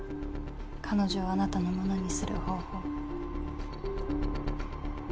彼女をあなたのものにする方法。